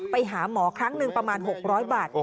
ไปหาหมอครั้งหนึ่งประมาณ๖๐๐บาท